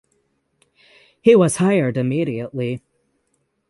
He was hired immediately.